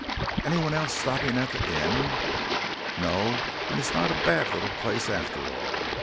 "Anyone else stopping at the inn?" "No. And it's not a bad little place after all.